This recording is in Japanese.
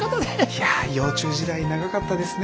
いや幼虫時代長かったですね。